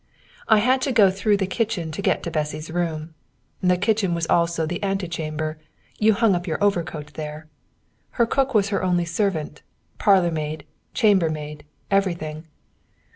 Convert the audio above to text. I had to go through the kitchen to get to Bessy's room. The kitchen was also the ante chamber; you hung up your overcoat there. Her cook was her only servant, parlour maid, chamber maid, everything.